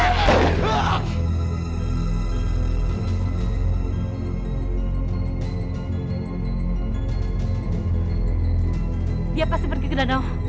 cepatlah kau harus ikut aku